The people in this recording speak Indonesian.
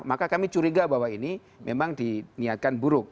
maka kami curiga bahwa ini memang diniatkan buruk